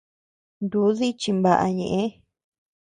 Nudii chinbaʼa ñeʼë.